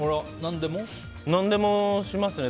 何でもしますね。